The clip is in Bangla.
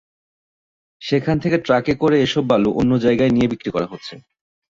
সেখান থেকে ট্রাকে করে এসব বালু অন্য জায়গায় নিয়ে বিক্রি করা হচ্ছে।